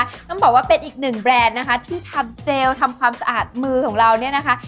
ต้องบอกว่าเป็นอีกหนึ่งแบรนด์นะคะที่ทำเจลทำความสะอาดมือของเราเนี่ยนะคะ